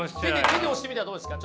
手で押してみたらどうですか。